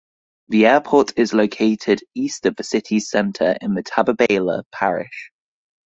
The airport is located east of the city's center in the Tababela parish.